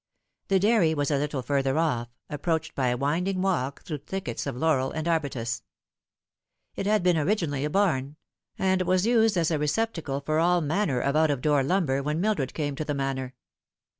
The dairy was a little further off, approached by a winding walk through thickets of laurel and arbutus. It had been originally a barn, and was used as a receptacle for all manner of out of door lumber when Mildred came to the Manor.